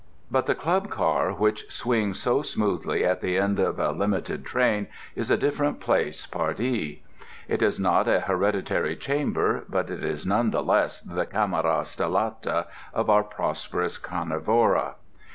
But the Club Car which swings so smoothly at the end of a limited train is a different place, pardee. It is not a hereditary chamber, but it is none the less the camera stellata of our prosperous carnivora.